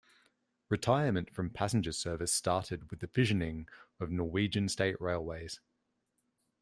Retirement from passenger service started with the fissioning of Norwegian State Railways.